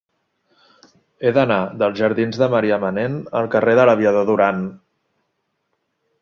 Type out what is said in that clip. He d'anar dels jardins de Marià Manent al carrer de l'Aviador Durán.